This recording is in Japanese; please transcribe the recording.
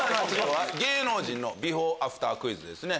芸能人のビフォーアフタークイズですね。